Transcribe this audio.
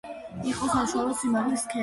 იყო საშუალო სიმაღლის სქელი კაცი.